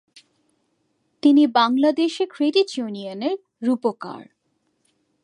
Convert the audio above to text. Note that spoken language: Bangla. তিনি বাংলাদেশে ক্রেডিট ইউনিয়নের রূপকার।